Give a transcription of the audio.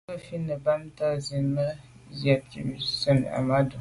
Mə̀ gə ̀fít nə̀ bɑ́mə́ tà' nsí mə̄ gə́ cɛ̌d yə́ bú cɛ̌d Ahmadou.